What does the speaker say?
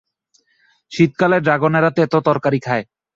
শীতকালে ড্রাগনেরা তেঁতো তরকারি খায়!